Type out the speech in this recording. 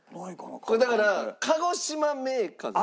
これだから鹿児島銘菓なんです。